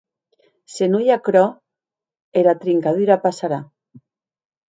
Se non ei qu’aquerò, era trincadura passarà.